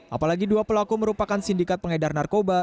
apalagi dua pelaku merupakan sindikat pengedar narkoba